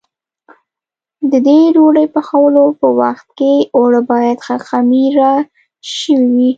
د دې ډوډۍ پخولو په وخت کې اوړه باید ښه خمېره شوي وي.